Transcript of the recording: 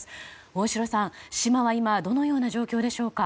大城さん、島は今どのような状況でしょうか。